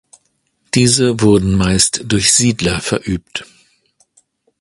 Diese wurden meist durch Siedler verübt.